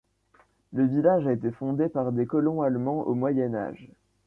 Le village a été fondé par des colons allemands au Moyen Âge.